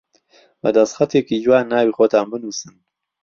بە دەستخەتێکی جوان ناوی خۆتان بنووسن